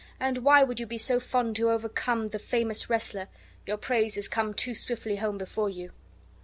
And why would you be so fond to overcome the famous wrestler? Your praise is come too swiftly home before you."